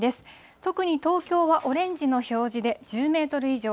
特に東京はオレンジの表示で１０メートル以上。